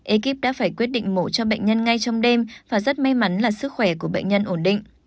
ekip đã phải quyết định mổ cho bệnh nhân ngay trong đêm và rất may mắn là sức khỏe của bệnh nhân ổn định